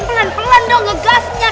pelan pelan dong ngegasnya